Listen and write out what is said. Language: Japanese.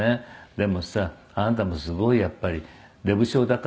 「でもさあなたもすごいやっぱり出不精だからさ